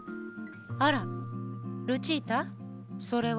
あらルチータそれは？